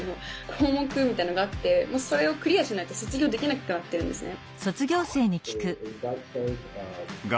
項目みたいのがあってそれをクリアしないと卒業できなくなってるんですね。